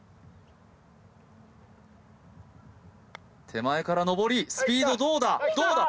手前から上りスピードどうだどうだ？